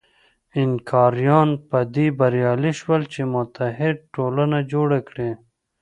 اینکاریان په دې بریالي شول چې متحد ټولنه جوړه کړي.